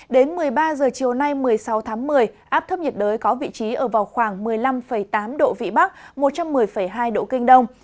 đến một mươi ba h chiều nay một mươi sáu tháng một mươi áp thấp nhiệt đới có vị trí ở vào khoảng một mươi năm tám độ vĩ bắc một trăm một mươi hai độ kinh đông